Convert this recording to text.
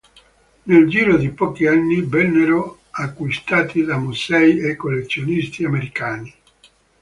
Nel giro di pochi anni vennero acquistati da musei e collezionisti americani.